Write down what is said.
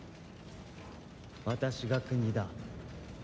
私が国だ」。